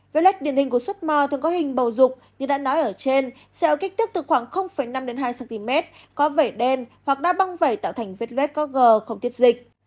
vết luet điển hình của xuất mò thường có hình bầu dục như đã nói ở trên sẽ ở kích thước từ khoảng năm hai cm có vẻ đen hoặc đã băng vẩy tạo thành vết luet có gờ không tiết dịch